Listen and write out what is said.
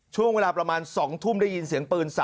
ช่วงเวลาประมาณ๒ทุ่มได้ยินเสียงปืน๓